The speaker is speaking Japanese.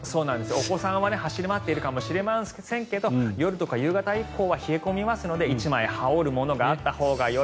お子さんは走り回っているかもしれませんが夜とか夕方以降は冷え込むかもしれないので１枚、羽織るものがあったほうが。